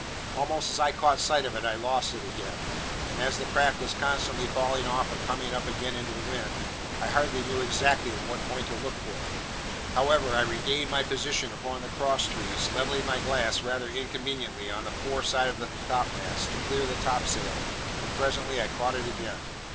Almost as I caught sight of it, I lost it again; and as the craft was constantly falling off or coming up again into the wind, I hardly knew exactly in what point to look for it. However, I regained my position upon the cross trees, levelling my glass, rather inconveniently, on the fore side of the topmast, to clear the topsail, and presently I caught it again.